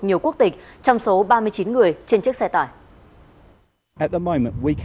nhiều quốc tịch trong số ba mươi chín người trên chiếc xe tải